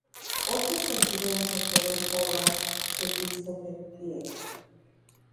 Otros consideran que fueron obra de Christopher Krieger.